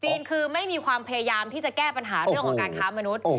คือไม่มีความพยายามที่จะแก้ปัญหาเรื่องของการค้ามนุษย์